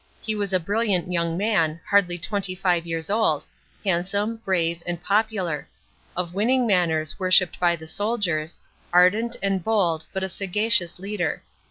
He was a brilliant yo mg man, hardly twen'y five years old, handsome, brave, and popular; of winning manners worshipped by the soldiers ; ardent and bold, but a sagacious leader.